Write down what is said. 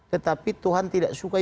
tetapi tuhan tidak suka